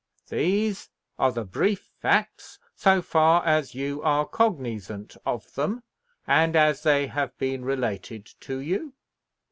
These are the brief facts, so far as you are cognizant of them, and as they have been related to you?"